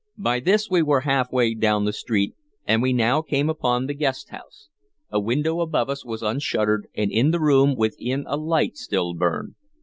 By this we were halfway down the street, and we now came upon the guest house. A window above us was unshuttered, and in the room within a light still burned.